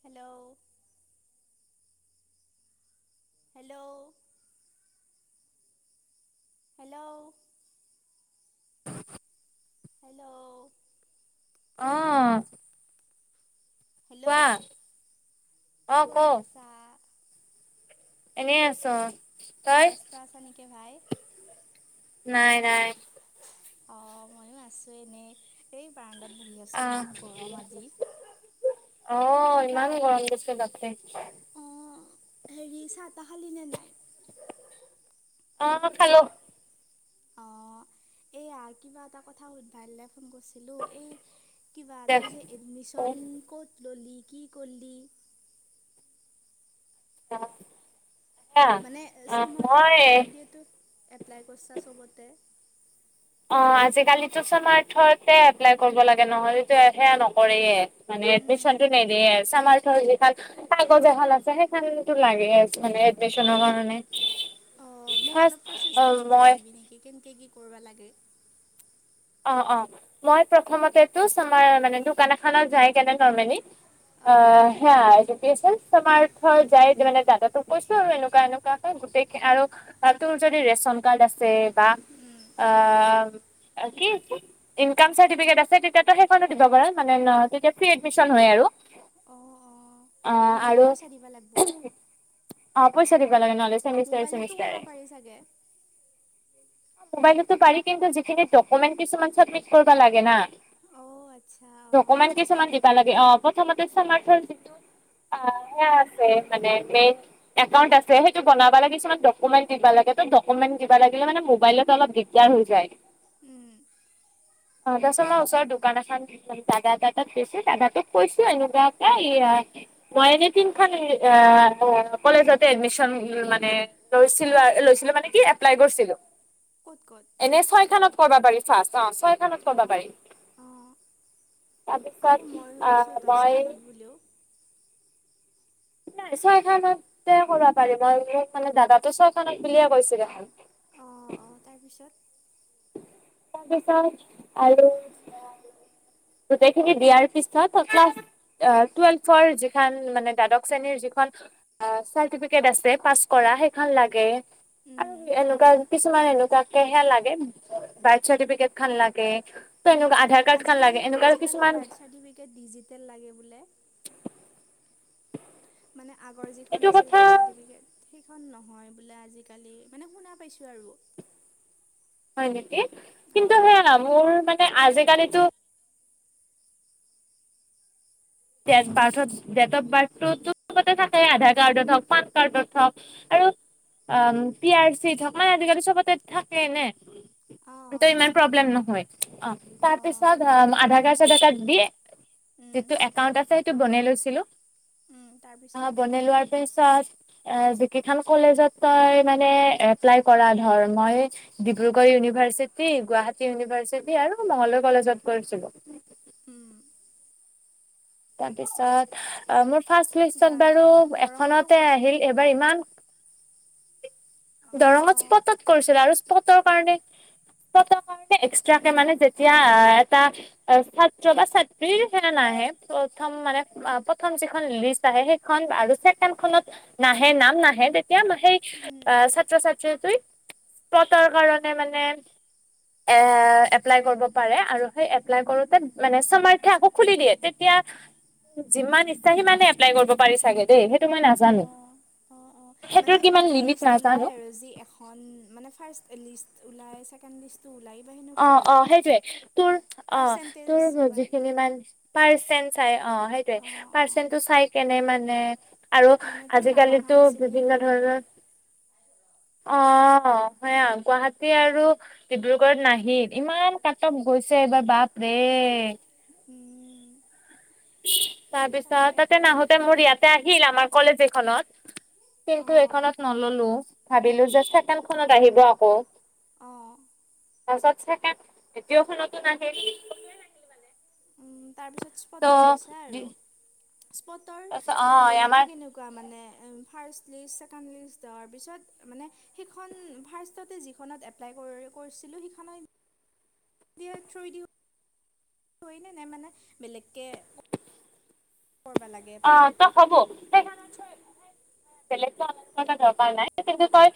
Hello hello hello hello অঁ hello অ কি ক কৰি আছা এনেই আছো ব্যস্ত আছা নেকি ভাই নাই নাই অ মইয়ো আছো এনেই এই বাৰাণ্ডাত বহি আছোঁ আহ ইমান গৰম আজি অঁ কিবা ইমান গৰম গৈছে বাপৰে অঁ হেৰি চাহ তাহ খালি নে নাই আহ খলো অ এয়া কিবা এটা কথা সুধানে ফ কৰিছিলোঁ এই কিবা দে ওটা যে অ এডমিশ্যন ক'ত ললি কি কৰিলি অ মানে চমৰ্থ থৈ দিয়োটো এপ্লেলাই কৰিছা চবতে অ আজিকালি স্মাৰ্থতে এপ্লাই কৰিব লাগে নহ'লে সেয়া নকৰেয়ে মানে এডমিশ্যন টো নিদিয়ে যি খন কাগজ এখনাতো আছে সেইখনতো লাগে আ মানে এডমিশ্যন কাৰণে অ মোক ফাৰ্ষ্ট অলপ প্ৰচেছটো বুজাই মই দিবি নেকি কেনেকে কি কৰিব লাগে অ অ মই প্ৰথমতেতো চমাৰ মানে দোকান এখনত যাই কেনে নৰ্মেলি অঁ অে চমাৰথ যাই মানে দাদ তোক কৈছো আৰু এনেকুৱা এনেকুৱা গোটেই আৰু তোৰ যদি ৰেচন কাৰ্ড আছে বা অ কি ইনক চাৰ্টিফিকেট আছে তেতিয়া সেইখনো দিব পাৰ মানে তেতিয়া ফ্ৰী এডমিশ্যন হয় আৰু অ অ অ', নহ'লে আৰু পইচা দিবা লাগিব অ পইচা দিব মোবাইলতো কৰিব পাৰি চাগে ম পাৰ কিন্তু যিখিনি উমে কিছুমান চাবমিট কৰিবা লাগে না অঁ আচ্ছা অঁ অঁ উ প্ৰথাৰ যিেই একাউ আছে সেইটো বনাব লাগে কিমানকুন্ দিবা লাগকুমে দিব লে মাইল অল দিগাৰ হৈ যায় উম এই তাৰপাছত ময় ওচৰৰ দোকান এখন দাদা এটা টাট গৈছো দাদা টোক কৈছো এনেকুৱা এই মই এনে তিনিখন কলেজতে লৈছিলো মানে এপ্লেলাই কৰিছিলো ক'ত ক'ত এনে ছয় খনত কৰিবা পাৰি। [unintelligible] ছয়খনত কৰিব অঁ পাৰি অঁ আকৌ মই তাৰপিছত শুনিছোঁ আহ মই দছখানত বুলিও নাই ছয় খানতে কৰিব পাৰি মই মোক মানে দাদাতোই ছয় খানক বুলিয়ে কৈছিলো দেখন। অ' তাৰপিছত? তাৰ পিছত আৰু গোটেই খিনি দিয়াৰ পিছত দাদ্বাশ শ্ৰেণী পাছ কৰাৰ সেই খন লাগে। আৰু উম এনেকুৱা কিছুমান এনেকুৱা কেহেয়া লাগে বাৰ্থ চাৰ্টিফিকেট খান লাগে। ত উম এনেকা আধাৰ কাৰ্ড খান আজিকালি লাগে এনেকুৱা আজিকালি কিছুমান বাৰ্থ চাৰ্টিফিকেট ডিজিটেল লাগে বোলে? মানে আগৰ যিখন এইটো আছিল কথা বাৰ্থ চাৰ্টিফিকেট ঠিক অ নহয় বোলে আজিকালি মানে শুনা পাইছো আৰু। হয় নেকি কিন্তু অঁ সেয়া মোৰ মানে আজিকালিতো ডেট বাৰ্থত ডেট অ বাৰ্থ তু ছবতে থাকে আধাৰ কাৰ্ডত হওক পান কাৰ্ডত হওক আৰু পি আৰ চি থাকা আজি কালি চবতে ঠাকেই এনে অঁ তো ইমান প্ৰবলেম নহয় অ তাৰ অঁ পিচত অ আৰু কি আধাৰ লাগে কাৰ্দ চাদৰকাৰ্দ দি উম, সেইটো বনাই লৈছিলো উম, তাৰপিছত অ বনাই লোৱাৰ পিছত অ, 'যিকেইখন কলেজত তই মানে এপ্লাই কৰা ধৰ মই ডিব্ৰুগড় ইউনিভাৰ্চিটি, গুৱাহাটী ইউনিভাৰ্চিটি আৰু মংগলদৈ কলেজত কিৰিচিলো উম। তাৰপিছত অ মোৰ ফাৰ্ষ্ট লিষ্টত বাৰু গুৱাহাটী দৰঙতো এখনতে কৰিছিল আহিল এইবাৰ ইমান দৰঙত অঁ স্পটত কৰিছিল আৰু স্পটৰ কাৰণে স্পটৰ কাৰণে এক্সট্ৰাকে মানে যেতিয়া এটা ছাত্ৰ বা ছাত্ৰ্ৰী সে নাহে প্ৰথম মানে প্ৰথম যিখন লিষ্ট আহে সেইখন আৰু ছেকেড খত নাহে নাম নাহে তেতিয়া সেই অঁ অ, ' ছাত্ৰ ছাত্ৰীসকল সিহঁতৰ কাৰণে মানে এ এপ্লাই কৰিব পাৰে আৰু সেই এপ্লাই কৰোতে মানে শ্চুমূৰ্থ এ আকৌ খুলি দিয়ে তেতিয়া যিমান ইচ্ছা সিমানে এপ্লাই কৰিব পাৰি চাগে দেই সেইটো মই নাজানো অঁ অঁ অঁ মানে সেইটোত কিমান লিমিট লিষ্ট ওলাই নাজানো আৰু যি এখন মানে ফাৰ্ষ্ট লিষ্ট উলাই ছেকেণ্ড লিষ্ট অ অ সেইটোৱে তোৰ অ পাৰ্চেণ্টেজ তোৰ পাই যিখিনি মান তাৰ সে চাই অ সেইটোয়ে অঁ অঁ পাৰ্চেন্ত টো চাই কেনে মানে আৰু মানে তোৰ নাম অহা আজিকালিতো নাছিল নেকি বিভিন্ন ধৰণৰ অ, ' সেয়া গুৱাহাটী আৰু ডিব্ৰুগড়ত নাহিল ভিৰ ইমান কাটতফ গৈছে এইবাৰ বাপৰে। উম। [inaudible] তাৰপিছত তাতে তাকেতো নাহোতে মোৰ ইয়াতে আহিল আমাৰ কলেজ হলত কিন্তু অঁ এইখনত নললো ভাবিলো যে ছেকেণ্ড খনত আহিব আকৌ। অঁ পইছা যে কাক অকেইখনতে নাহিল উম। তাৰপিছত ত' স্পটত লৈছা আৰু। তাৰপিছত স্পটৰ অ হেৰিটো আমাৰ কেনেকুৱা মানে। ফাৰ্ষ্ট লিষ্ট ছেকেণ্ড লিষ্ট তাৰপিছত মানে সেইখন ফাৰ্ষ্টতে যিখনত এপ্লাই কৰি কৰিছিলোঁ সেইখনত থ্ৰ দিওঁ। ন নে মানে বেলেগ কে। অ ত কব সেইকাৰনে। লেগ ন কিন্তু তই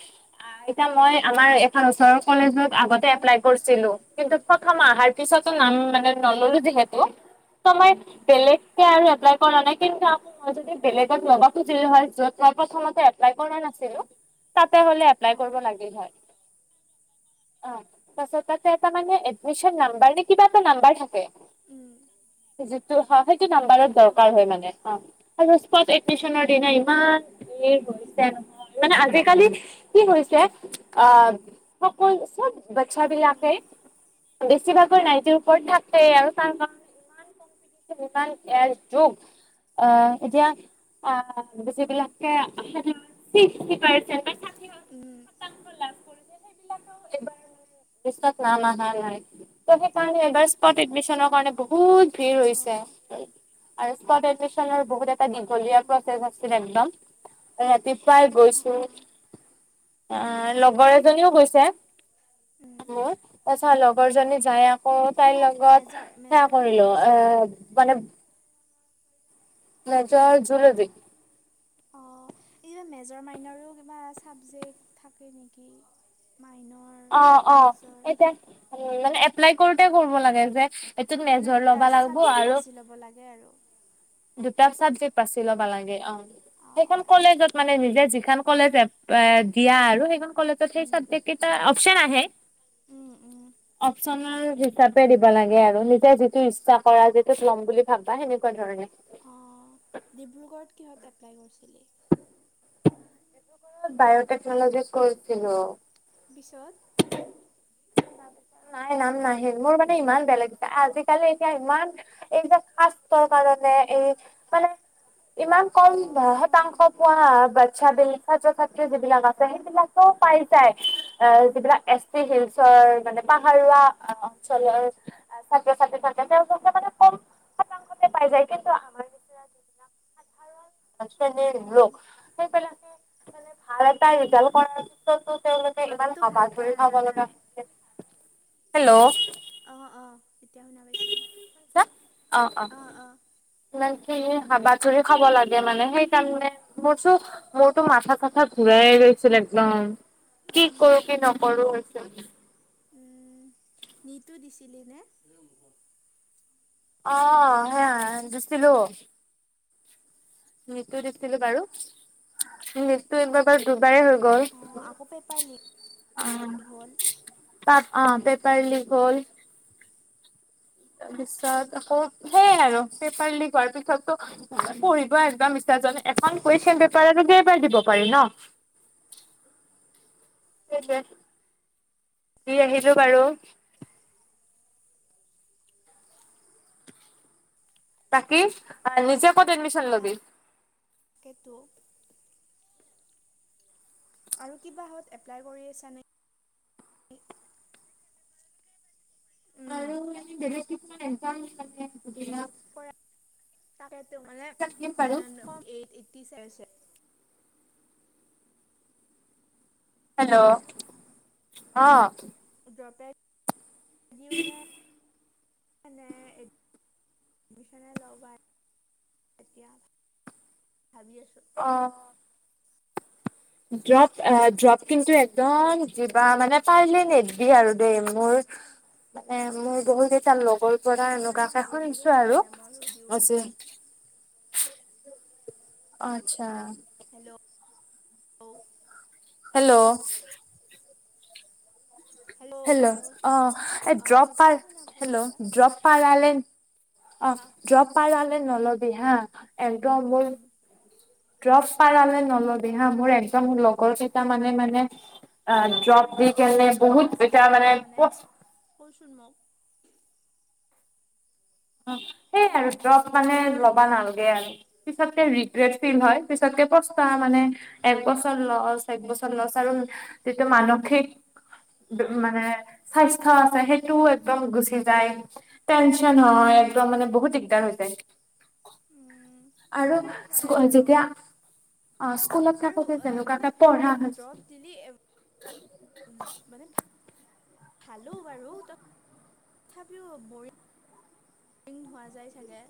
আইতা লৈ আমাৰ এখন ওচৰৰ কলেজ আগতে এপ্লাই কৰিছো। ছিলো কিন্তু অঁ প্ৰথম আহাৰ। পিছতো নাম মানে নললো যিহেতু ত মই বেলেগকৈ আৰু এপ্লাই কৰা মানে। কি যদি উম বেলেগত নবা খুজি হয় যত জাইপ সুলোতে। ট্টাই কৰা নাছিলো তাতে হ'লে এপ্লাই অঁ কৰিব লাগিল হয় অ পাছত তাতে এটা মানে এডমিচন নাম্বাৰ নে কিবা এটা নাম্বাৰ থাকে উম যিতু হয় সিতু নাম্বাৰত অঁ দৰকাৰ হয় মানে অ আৰু্ ইস্পছ এডমিছনৰ দিনা ইমান এই উম গছে নহয় মানে আজিকালি কি হৈছে আহ সকলো চব বাছা অঁ বিলাকে বেছিভাগ নাইটিৰ ওপৰত থাকে আৰু তাৰ ইমান কম্পিউটাৰ, মোবাইল ইায়াৰ যোগ অ এতিয়া অ‌ উম যিবিলাকে পাইছৈ উম সেইবিলাকও এইবাৰ লিষ্টত নাম অহা নাই সেইকাৰণে এবাৰ তাত এডমিশনৰ অঁ কাৰণে বহুত ভিৰ অঁ হৈছে আৰু এডমিচনৰ সেইফালে বহুত এটা অঁ দীঘলীয়া প্ৰচেছ আছিল একদম ৰাতিপুৱাই অঁ গৈছো অঁ লগৰ এজনীও গৈছে উম হম এছ আৰ লগৰ জনি অঁ যায় আৰু তাইৰ কিহত লগত মেজৰ সেয়া মেজৰ কিহত কৰিলো এ লৈছা মানে মেজৰ জুগাফি অঁ এই মেজৰ মাইনৰো কিবা চাবজেক্ট থাকে নেকি মাইনৰ অ অ মেজৰ এতিয়া উ মানে এপলাই কৰোতে কৰিব লাগে যে এইটোত মানে মেজৰ দুটা ল'বা লাগিব চাবজেক্ট আৰু বাছি ল'ব লাগে আৰু দুটা চাবজেক্ট পাছি ল'বা লাগে অ অঁ সেইখন আচ্ছা কলেজত মানে নিজে যিখন কলেজ দিয়া আৰু সেইখন কলেজত সেই উম চাবজেকক্ট অপচন আহে উম উম অপচনৰ‌ হিচাপে‌ দিব লাগে আৰু নিজে যিতো‌ ইচ্ছা কৰা যিটোত লয় বুলি ভাবা সেনেকুৱা ধৰনে অ ডিব্ৰুগড়ত কিহঁত এপ্লাই কৰিছিলি ডিব্ৰুগড়ত বায়'টেকনলজিত কৰিছিলোঁ। পিছত নাই নাম নাহিল মোৰ মানে ইমান বেলেগ আজিকালি এতিয়া ইমান এইবিলাক কাস্তৰ কাৰণে এই মানে ইমান কম শতাংশ অঁ পোৱা বাচ্ছা বিলাক ছাত্ৰ ছাত্ৰী যিবিলাক আছে, সেইবিলাকেও পাই যায় উম যিবিলাক এছ টি শিলচৰৰ মানে পাহাৰুৱা অঞ্চলৰ ছাত্ৰ ছাত্ৰী থাকে তেওঁলোক মানে কম শতাংশতে পাই যায়, কিন্তু আমাৰ নিচিনা যিবিলাক অঁ আজিকালি অঁ লোক সেইবিলাকে মানে ভাল এটা ৰিজাল্ট কৰাৰ পিছতো তেওঁলোকে ইমান মাতটো ভালকৈ হাবাথুৰি অহা খাব নাই লগা হৈছে। হেল্ল'। অ অ। এতিয়া শুনা পাইছো, আহ আহ। এনে হাবাথুৰি খাব লাগে মানে সেইকাৰণে মোৰ চো মোৰতো মাথা চাথা ঘূৰাই গৈছিল একদম। কি উম কৰো কি নকৰো। [unintelligible] উম নীতও দিছিলি নে? অ হে দিছিলোঁ। নীতও দিছিলো বাৰু, নীতি একবাৰ বাৰু দু বাৰেই হৈ গ'ল, অঁ আকৌ পেপাৰ লিক অ'। হ'ল তাত অ পেপাৰ লিক হ'ল। তাৰপিছত আকৌ সেইয়াই আৰু পেপাৰ লিক হোৱাৰ পিছতো পঢ়িব একদম ইচ্ছা যোৱা নাই, এখন কুৱেশন পেপাৰ আৰু কেইবাৰ দিব পাৰি ন, দি আহিলো বাৰু। বাকী নিজে ক'ত এডমিচন লবি। সেইটোৱে। আৰু কিবাহত এপ্লাই কৰি আছানে? উম [unintelligible] কৰা [unintelligible] [inaudible] হেল্ল' অঁ [inaudible] দিওঁ নে? [unintelligible] ভাবি আছো। অ ড্ৰপ অ ড্ৰপ কিন্তু একদম দিবা মানে পাৰিলে নিদবিয়ে আৰু দেই মোৰ মানে মোৰ বহু কেইটাৰ লগৰ পৰা মই এনেকুৱা মানে এটা ভাবি আছিলোঁ শুনিছো জে আৰু এন এমৰো দিওঁ আজি বুলি অঁ অচ্ছা। হেল্ল' হেল্ল' হেল্ল' অ এই অঁ ড্ৰপ পা কিয় শুনা পোৱা হেল্ল' নাই বা ড্ৰপ পাৰাহলে অঁ আহ ড্ৰপ পাৰাহলে নলবি হাঁহ। একদম মোৰ উম ড্ৰবছ পাৰাহলে [inaudible] নলবি অঁ হা, মোৰ একদাম লগৰ কে তাৰ মানে মানে অঁ, তোৰ জব এতিয়া দি কেনে অভিজ্ঞতা বহুত, আছে না এতিয়া অলপ মানে কচোন মোক অ' সেই তোমাৰ আৰু দ্ৰপ অভিজ্ঞতা মানে আছে যে ল'বা নালাগে আৰু। পিছতকে ৰিগ্ৰেত ফীল হয়, পিছতকে পষ্টা মানে, এক বছৰ লছ, এক বছৰ লছ, আৰু যিটো মানসিক মানে স্বাস্থ আছে সেইটো একদম গুচি যায়, টেনচন উম নহয় একদম মানে বহুত দিগদাৰ হৈ যায়। উম আৰু সেইটোতো হয়ে [inaudible] বাৰু যেতিয়া অ স্কুলত আৰু থাকোতে আহ, যেনেকুৱা মানে এটা পঢ়া দৰৱ দিলি এ, মানে ভালো বাৰু তথাপিও [inaudible] [inaudible] হোৱা যায় চাগে?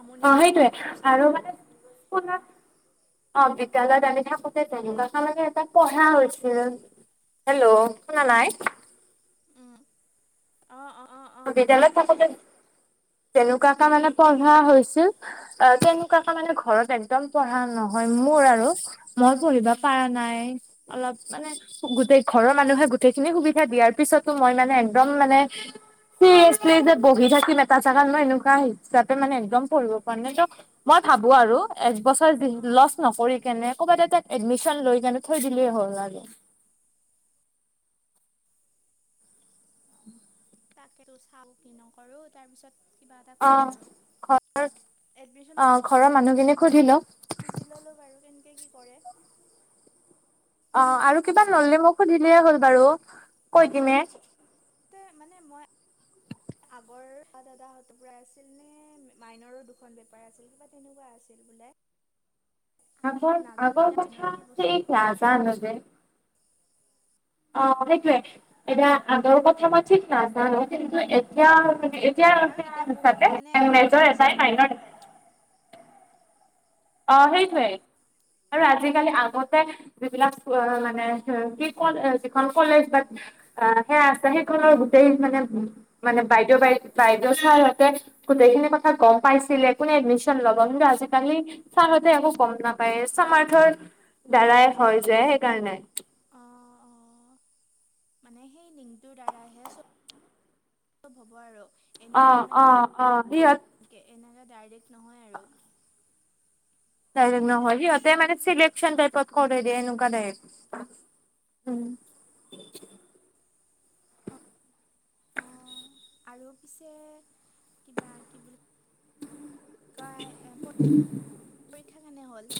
আমনি অঁ লাগে সেইটোৱে অলপ চলপ আৰু হ'লেও [inaudible] অঁ বিদ্যালয়ত আমি থাকো [inaudible] [inaudible] তেনেকুৱা এটা লাগে এটা পঢ়া হৈছিল, হেল্ল', শুনা নাই? উম, অঁ অঁ অঁ অঁ বিদ্যালয়ত থাকোতে তেনেকুৱাকে মানে পঢ়া হৈছিল, তেনেকুৱাকে মানে ঘৰত একদম পঢ়া নহয় উম মোৰ আৰু, মই পঢ়িবা উম পৰা নাই, অলপ মানে, গোটেই ঘৰৰ মানুহে গোটেইখিনি সুবিধা দিয়াৰ পিছতো মই মানে একদম মানে [unintelligible] যে বহি থাকিম এটা জেগাত মই এনেকুৱা হিচাপে মানে একদম পঢ়িব পৰা নাই, মই ভাবো আৰু, একবছৰ অঁ লচ নকৰি কেনে কবাত এটা এডমিশন লৈ কেনে থৈ দিলেই হল আৰু। [inaudible] তাকেতো চাও কি নকৰো, তাৰ পিছত কিবা এটা অ কৰিম আৰু, ঘৰৰ অ এডমিচনৰ কথা ঘৰৰ মানুহখিনিক সুধি লও [inaudible] বুজি ললো বাৰু কেনেকে কি কৰে [inaudible] অঁ আৰু কিবা নৰলি মোক শুধিলেই হ'ল বাৰু। কৈ দিমে আগতে মানে মই আগৰ দাদাহঁতৰ পৰাই আছিল নে, মাইনৰো দুখন পেপাৰ আছিল, কিবা তেনেকুৱা আছিল বোলে আগৰ, নাজানো আগৰ মাইনৰ কি কথাছে বস্তু এই নাজানো দে। অঁ সেইটোয়ে, এতিয়া আগৰ কথা মই ঠিক নাজানো, উম কিন্তু উম এতিয়া মাৱে আৰু এতিয়া এতিয়াৰ বহুত মানে হিচাপে সলনি মেজৰ হৈছে এটাই, ন। মাইনৰ এট। অঁ উম। সেইটোয়ে, আৰু আজিকালি আগতে যিবিলাক মানে কি ক, যিখন কলেজ, বা সেয়া আছে, সেইখনৰ গোটেই মানে, মানে বাইদেউ বাই বাইদেউ ছাৰহঁতে গোটেইখিনি কথা গম পাইছিলে কোনে এডমিশন ল'ব কিন্তু আজিকালি চাৰতে একো গম নাপায়, সামাৰ্থৰ দ্বাৰাই হয় যে, সেইকাৰণে। মানে সেই লিংটোৰ দ্বাৰাহে চব [inaudible] হ'ব আৰু। এনেই মানে অঁ-অঁ-অঁ সেয়া এনেকৈ ডাইৰেক্ট নহয় আৰু। ডাইৰেক্ট নহয়, সিহঁতে মানে চিলেকচন টাইপত কৰে ৰে, এনেকুৱা টাইপ। অঁ আৰু পিছে, কিবা কি বুলি পৰী [inaudible] ক্ষা কেনে হ'ল?